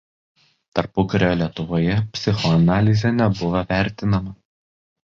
Tarpukario Lietuvoje psichoanalizė nebuvo vertinama.